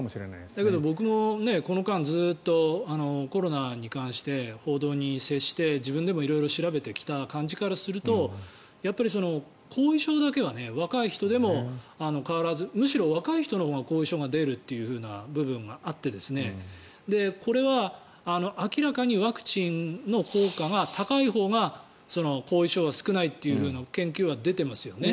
だけど僕もこの間ずっと、コロナに関して報道に接して、自分でも調べてきた感じからするとやっぱり後遺症だけは若い人でも変わらずむしろ若い人のほうが後遺症が出るという部分があってこれは明らかにワクチンの効果が高いほうが後遺症は少ないという研究は出ていますよね。